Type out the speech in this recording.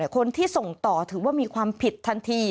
คนที่ส่งต่อถือว่ามีความผิดทันที